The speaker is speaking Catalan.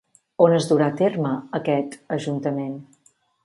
On es durà a terme aquest ajuntament?